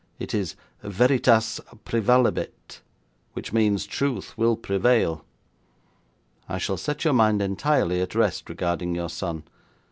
It is "Veritas praevalebit," which means, "Truth will prevail." I shall set your mind entirely at rest regarding your son.